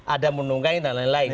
ada menunggangi dan lain lain